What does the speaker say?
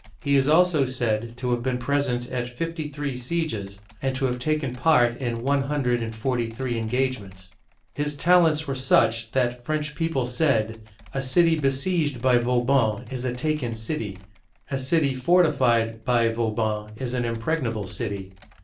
He is also said to have been present at fifty three sieges, and to have taken part in one hundred and forty three en gagements. His talents were such that French people said, "A city besieged, by Vauban is a taken city; a city fortified by. Vauban is an impregnable city!'